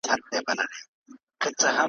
هم غل هم غمخور `